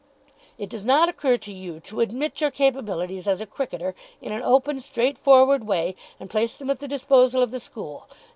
It does not occur to you to admit your capabilities as a cricketer in an open, straightforward way and place them at the disposal of the school.